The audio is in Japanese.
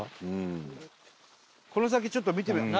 この先ちょっと見てみよう。